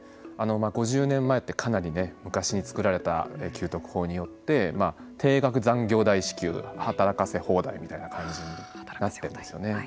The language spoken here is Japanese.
５０年前って、かなり昔に作られた給特法によって定額残業代支給働かせ放題みたいな感じになっていますよね。